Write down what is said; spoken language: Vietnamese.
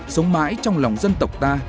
sống mãi trong lòng dân tộc ta